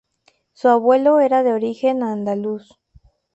Su abuelo era de origen andaluz.